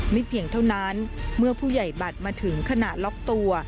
เพียงเท่านั้นเมื่อผู้ใหญ่บัตรมาถึงขณะล็อกตัว